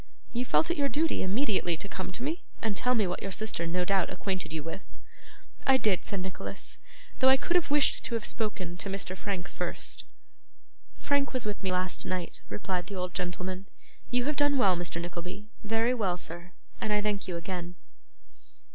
'You felt it your duty immediately to come to me, and tell me what your sister no doubt acquainted you with?' 'I did,' said Nicholas, 'though I could have wished to have spoken to Mr Frank first.' 'Frank was with me last night,' replied the old gentleman. 'You have done well, Mr. Nickleby very well, sir and I thank you again.